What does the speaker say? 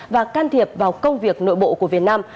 và can thiệp vào công việc nội bộ của việt nam